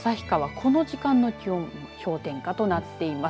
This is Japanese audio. この時間の気温氷点下となっています。